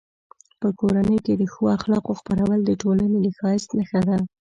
په کورنۍ کې د ښو اخلاقو خپرول د ټولنې د ښایست نښه ده.